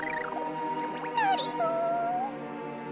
がりぞー。